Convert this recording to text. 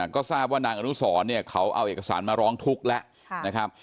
ก็ทราบว่านางอนุสรเนี่ยเขาเอาเอกสารมาร้องทุกข์แล้วนะครับ